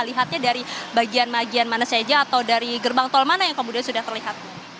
lihatnya dari bagian bagian mana saja atau dari gerbang tol mana yang kemudian sudah terlihat